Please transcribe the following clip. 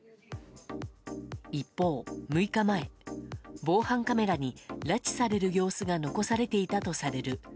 一方６日前、防犯カメラに拉致される様子が残されていたとされる